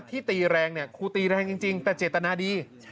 ที่ตีแรงครูตีแรงจริงแต่เจตนาดี